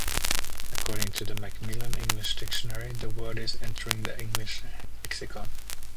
According to the "Macmillan English Dictionary," the word is entering the English lexicon.